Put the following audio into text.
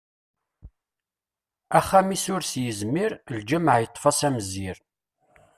Axxam-is ur as-yezmir, lǧameɛ yeṭṭef-as amezzir!